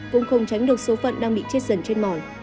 cũng không tránh được số phận đang bị chết dần trên mỏi